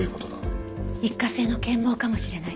一過性の健忘かもしれない。